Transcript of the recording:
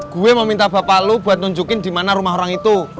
gue mau minta bapak lu buat nunjukin di mana rumah orang itu